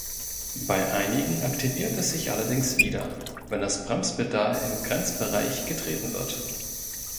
Bei einigen aktiviert es sich allerdings wieder, wenn das Bremspedal im Grenzbereich getreten wird.